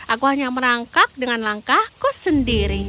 aku hanya merangkak dengan langkahku sendiri